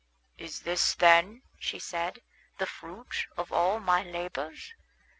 "Is this, then," she said, "the fruit of all my labors?